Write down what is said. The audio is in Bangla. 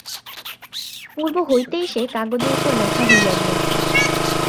পূর্ব হইতেই সে-কাগজের উপর লেখা হইয়া গিয়াছে।